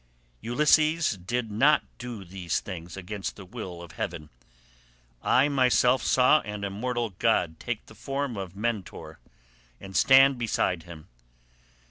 Ulysses did not do these things against the will of heaven. I myself saw an immortal god take the form of Mentor and stand beside him.